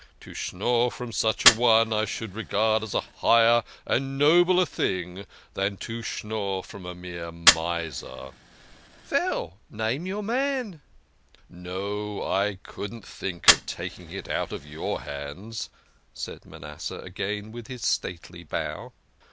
To schnorr from such a one I should regard as a higher and nobler thing than to schnorr from a mere miser." " Veil, name your man." "No I couldn't think of taking it out of your hands," said Manasseh again with his stately bow.